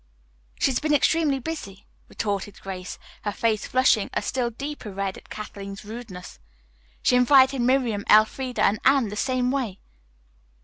"She has been extremely busy," retorted Grace, her face flushing a still deeper red at Kathleen's rudeness. "She invited Miriam, Elfreda and Anne the same way."